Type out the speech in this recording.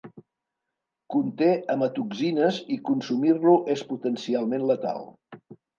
Conté amatoxines i consumir-lo és potencialment letal.